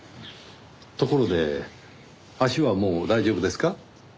ところで足はもう大丈夫ですか？